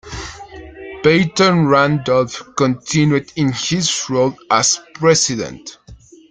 Peyton Randolph continued in his role as president.